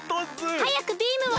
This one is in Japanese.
はやくビームを！